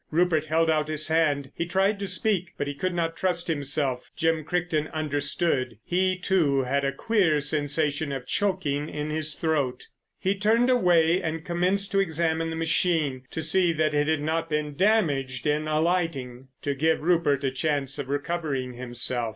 Rupert held out his hand. He tried to speak, but he could not trust himself. Jim Crichton understood; he, too, had a queer sensation of choking in his throat. He turned away and commenced to examine the machine, to see that it had not been damaged in alighting—and to give Rupert a chance of recovering himself.